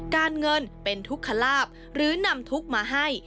การเงินเป็นทุกขลาบหรือนำทุกข์มาให้